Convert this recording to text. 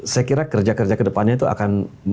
saya kira kerja kerja kedepannya itu akan